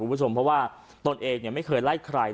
เพราะว่าตนเองไม่เคยไล่ใคร